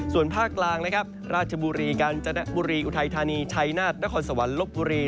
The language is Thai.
ส่วนภาคกลางนะครับราชบุรีกาญจนบุรีอุทัยธานีชัยนาฏนครสวรรค์ลบบุรี